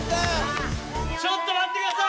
ちょっとまってください！